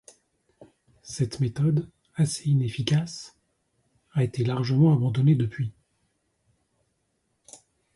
Cette méthode, assez inefficace, a été largement abandonnée depuis.